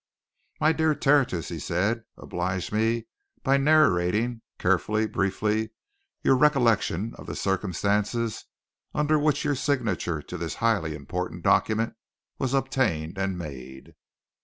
"My dear Tertius!" he said. "Oblige me by narrating, carefully, briefly, your recollection of the circumstances under which your signature to this highly important document was obtained and made."